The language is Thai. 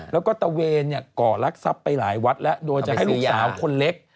แล้วก็ตะเวนก่อรักทรัพย์ไปหลายวัดแล้วโดยจะให้ลูกสาวคนเล็ก